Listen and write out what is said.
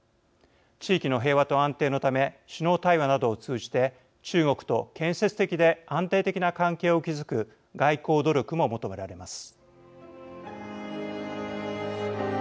地域の平和と安定のため首脳対話などを通じて中国と建設的で安定的な関係を築く外交努力も求められます。